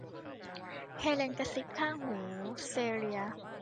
เฮเลนกระซิบข้างหูเซเลีย